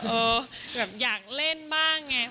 เออแบบอยากเล่นบ้างไง